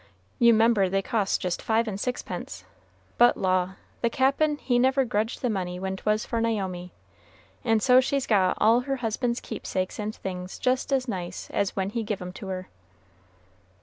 You 'member they cost just five and sixpence; but, law! the Cap'n he never grudged the money when 'twas for Naomi. And so she's got all her husband's keepsakes and things just as nice as when he give 'em to her."